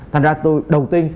thành ra tôi đầu tiên